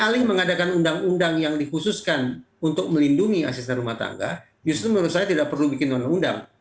alih alih mengadakan undang undang yang dikhususkan untuk melindungi asr justru menurut saya tidak perlu bikin undang undang